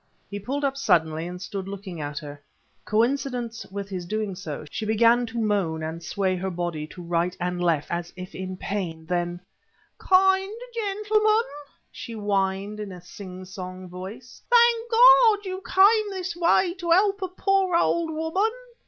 He pulled up suddenly and stood looking at her. Coincident with his doing so, she began to moan and sway her body to right and left as if in pain; then "Kind gentleman," she whined in a sing song voice, "thank God you came this way to help a poor old woman."